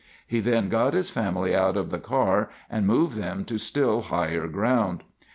He then got his family out of his car and moved them to still higher ground.